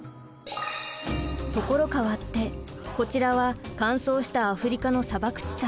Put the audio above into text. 所変わってこちらは乾燥したアフリカの砂漠地帯。